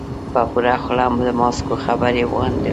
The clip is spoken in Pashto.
په یوه خوله د ماسکو خبرې وغندلې.